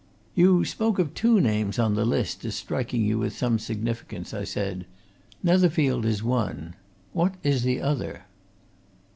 "You spoke of two names on the list as striking you with some significance," I said. "Netherfield is one. What is the other?"